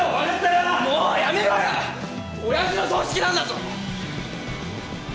おやじの葬式なんだぞ！